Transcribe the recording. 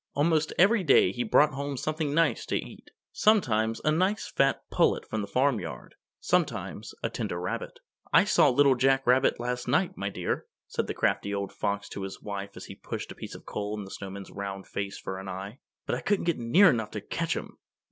Almost every day he brought home something nice to eat; sometimes a nice fat pullet from the farmyard; sometimes a tender rabbit. "I saw Little Jack Rabbit last night, my dear," said the crafty old fox to his wife as he pushed a piece of coal in the snowman's round face for an eye. "But I couldn't get near enough to catch him.